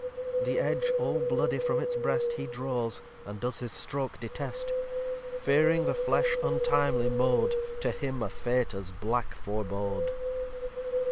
The Edge all bloody from its Breast He draws, and does his stroke detest; Fearing the Flesh untimely mow'd To him a Fate as black forebode.